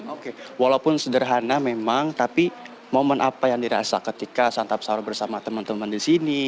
oke walaupun sederhana memang tapi momen apa yang dirasa ketika santap sahur bersama teman teman di sini